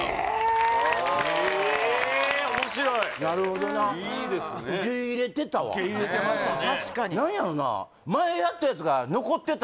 面白いなるほどな受け入れてたわ受け入れてましたね